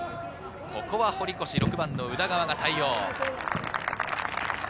堀越６番の宇田川が対応。